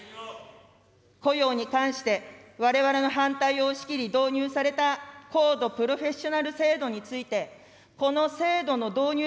雇用に関して、われわれの反対を押し切り導入された高度プロフェッショナル制度について、この制度の導入